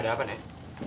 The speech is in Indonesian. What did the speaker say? ada apa nek